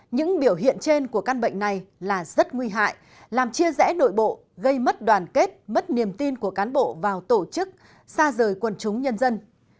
những biểu hiện trên của căn bệnh này là rất nguy hại làm chia rẽ nội bộ gây mất đoàn kết mất niềm tin của cán bộ vào tổ chức xa rời quần chúng nhân dân